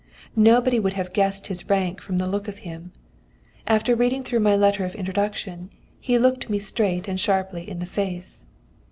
Nobody would have guessed his rank from the look of him. After reading through my letter of introduction, he looked me straight and sharply in the face.